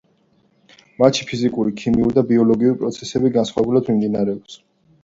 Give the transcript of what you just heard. მათში ფიზიკური, ქიმიური და ბიოლოგიური პროცესები განსხვავებულად მიმდინარეობს.